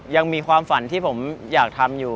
ยังมีความฝันที่ผมอยากทำอยู่